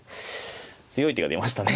強い手が出ましたね。